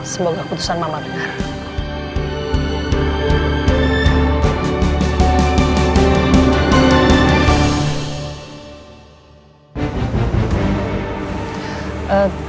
semoga keputusan mama benar